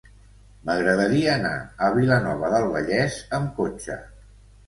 M'agradaria anar a Vilanova del Vallès amb cotxe.